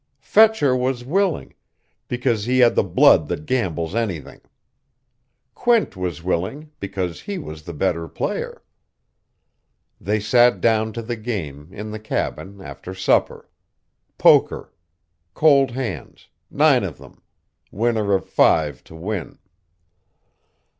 "Fetcher was willing; because he had the blood that gambles anything. Quint was willing, because he was the better player. They sat down to the game, in the cabin, after supper. Poker. Cold hands. Nine of them. Winner of five to win....